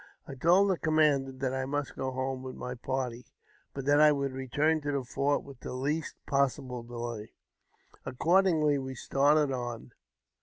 I told the commander that I must go home with my party, but that I would return to the fort with the least possible delay. Accordingly wi started on.